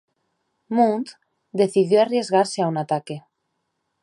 Muntz decidió arriesgarse a un ataque.